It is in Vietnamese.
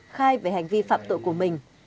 khai về hành vi phạm tội của mình